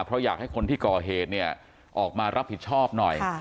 เพราะอยากให้คนที่ก่อเหตุเนี่ยออกมารับผิดชอบหน่อย